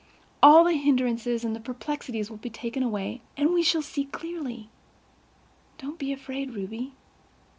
All the hindrances and perplexities will be taken away, and we shall see clearly. Don't be afraid, Ruby."